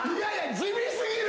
地味過ぎる。